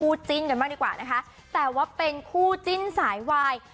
จิ้นกันบ้างดีกว่านะคะแต่ว่าเป็นคู่จิ้นสายวาย